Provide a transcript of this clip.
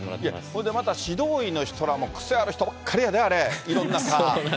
ほいでまた、指導医の人らも、癖ある人ばっかりやね、あれ、いろんな科。